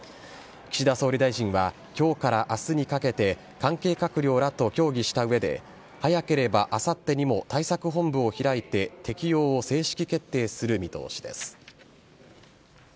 岸田総理大臣は、きょうからあすにかけて、関係閣僚らと協議したうえで、早ければあさってにも対策本部を開いて、適用を正式決定する見通しです。